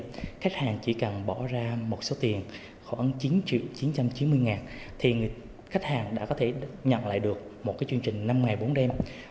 khi khách hàng chỉ cần bỏ ra một số tiền khoảng chín chín trăm chín mươi thì khách hàng đã có thể nhận lại được một chương trình năm ngày bốn đêm